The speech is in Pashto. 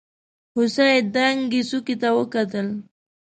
هوسۍ دنګې څوکې ته وکتل.